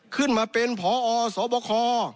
ขึ้นมาเป็นพอสบค